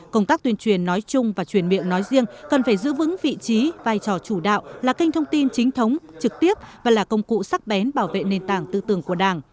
công tác tuyên truyền nói chung và truyền miệng nói riêng cần phải giữ vững vị trí vai trò chủ đạo là kênh thông tin chính thống trực tiếp và là công cụ sắc bén bảo vệ nền tảng tư tưởng của đảng